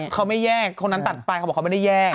เขาไม่แยกคนนั้นตัดไปเขาบอกเขาไม่ได้แยก